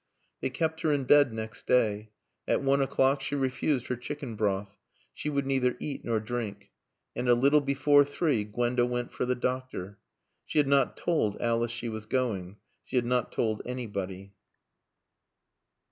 They kept her in bed next day. At one o'clock she refused her chicken broth. She would neither eat nor drink. And a little before three Gwenda went for the doctor. She had not told Alice she was going. She had not told anybody.